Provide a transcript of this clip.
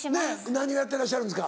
何をやってらっしゃるんですか？